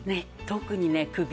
特にね首。